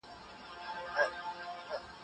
زه مخکي چای تيار کړی و.